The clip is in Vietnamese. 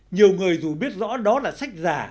nhiều người dù biết rõ đó là sách giả